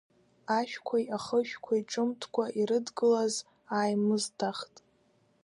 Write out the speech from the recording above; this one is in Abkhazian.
Ашәқәеи ахышәқәеи ҿымҭкәа ирыдгылаз ааимыздахт.